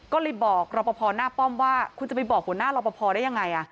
ก็เลยบอกรอปภหน้าป้อมว่าคุณจะไปบอกหัวหน้ารอปภได้ยังไง